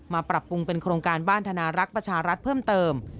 ปรับปรุงเป็นโครงการบ้านธนารักษ์ประชารัฐเพิ่มเติม